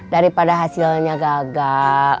daripada hasilnya gagal